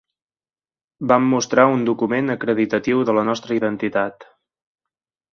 Vam mostrar un document acreditatiu de la nostra identitat.